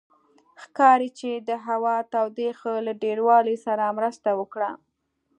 ښکاري چې د هوا تودوخې له ډېروالي سره مرسته وکړه.